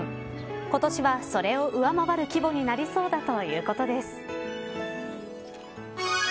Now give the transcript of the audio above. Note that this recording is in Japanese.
今年は、それを上回る規模になりそうだということです。